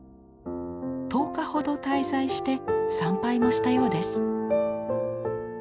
１０日ほど滞在して参拝もしたようです。